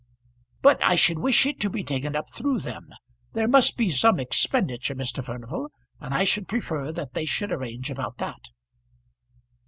"But I should wish it to be taken up through them. There must be some expenditure, Mr. Furnival, and I should prefer that they should arrange about that."